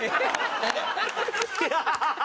ハハハハ！